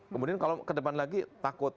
kemudian kalau ke depan lagi takut